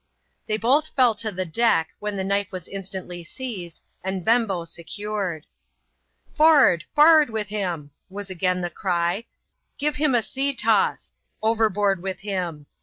They both fell to the deck, when the knife was instantly seized, and Bembo secured. " For'ard ! forward with him I was again the cry ;" give him a sea toss !" overboard with him!